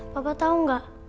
papa tau gak